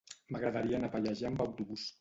M'agradaria anar a Pallejà amb autobús.